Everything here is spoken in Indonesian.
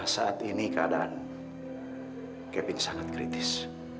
saat ini keadaan kevin sangat kritis